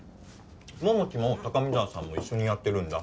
桃地も高見沢さんも一緒にやってるんだ。